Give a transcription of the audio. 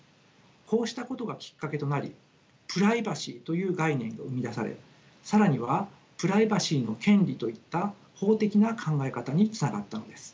こうしたことがきっかけとなりプライバシーという概念が生み出され更にはプライバシーの権利といった法的な考え方につながったのです。